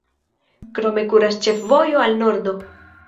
Krome kuras ĉefvojo al nordo.